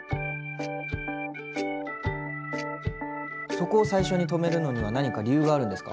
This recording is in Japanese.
そこを最初に留めるのには何か理由があるんですか？